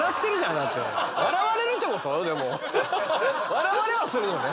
笑われはするのね。